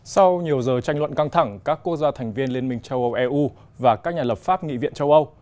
sau nhiều giờ tranh luận căng thẳng các quốc gia thành viên liên minh châu âu eu và các nhà lập pháp nghị viện châu âu